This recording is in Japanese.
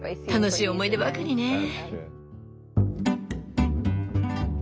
楽しい思い出ばかりね。